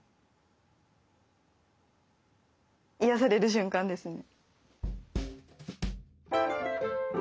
癒やされる瞬間ですね。